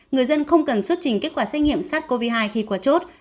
người dân không cần xuất trình kết quả xét nghiệm sars cov hai khi qua chốt